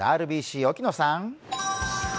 ＲＢＣ、沖野さん。